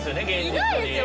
いないですよ